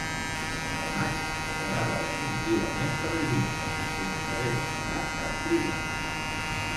Damasc quedava definitivament per Egipte sense haver de pagar cap tribut.